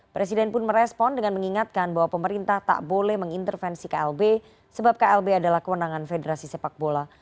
presiden pun merespon dengan mengingatkan bahwa pemerintah tak boleh mengintervensi klb sebab klb adalah kewenangan federasi sepak bola